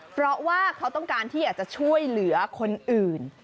เพราะว่าเขาต้องการที่อยากจะช่วยเหลือคนอื่น